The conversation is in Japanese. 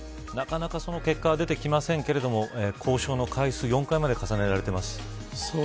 なかなか結果は出てきませんが交渉の回数４回まで重ねられています。